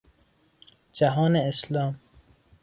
جهان اسلام